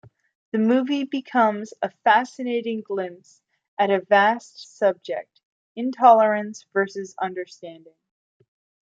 The movie becomes a fascinating glimpse at a vast subject-intolerance versus understanding.